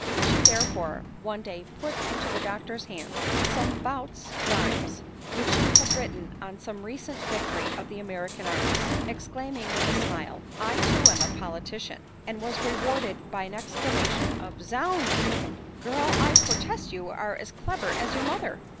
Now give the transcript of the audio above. She therefore, one day put into the doctor's hands ^ I I < i ADELINE MOWBRAY. 19 some bouts rimes which she had written on some recent victory of the American arms ; exclaiming with a smile, " I too, am a politician !" and was rewarded by an ex clamation of " Zounds! girl — I protest you are as clever as your mother